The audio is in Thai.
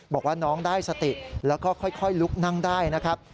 บอกว่าน้องได้สติแล้วก็ค่อยลุกนั่งได้นะครับ